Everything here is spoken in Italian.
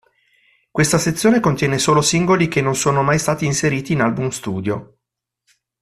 Questa sezione contiene solo singoli che non sono mai stati inseriti in album studio.